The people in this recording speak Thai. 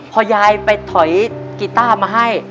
พอยายไปถอยกิตต้าน่าน้องอะไร